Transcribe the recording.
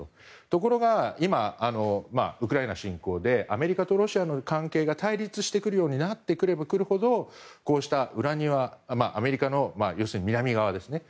ところが今、ウクライナ侵攻でアメリカとロシアの関係が対立してくるようになればなるほどこうした裏庭アメリカの南側にですね。